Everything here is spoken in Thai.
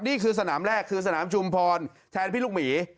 นี่คือสนามแรกคือสนามชุมพรแทนพี่ลูกหมี